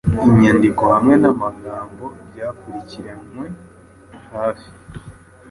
Inyandiko hamwe namagambo byakurikiranwe hafi